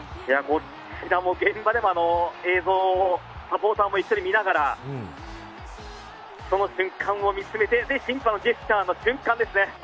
現場でも映像をサポーターも一緒に見ながらその瞬間を見つめて審判のジェスチャーの瞬間ですね。